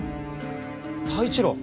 太一郎。